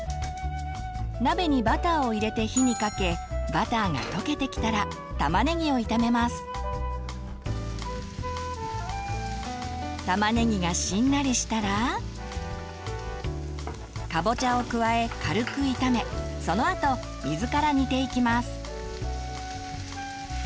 鍋にバターを入れて火にかけ玉ねぎがしんなりしたらかぼちゃを加え軽く炒めそのあと水から煮ていきます。